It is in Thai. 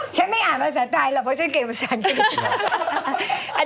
ฉันไม่อ่านภาษาไตร์หรอกเพราะฉันเกร็ดภาษากรีด